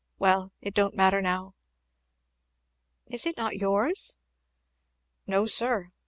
Well it don't matter now." "Is it not yours?" "No sir!